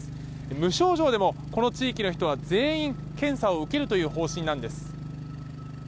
無症状でも、この地域の人は全員、検査を受けるという方針なんです。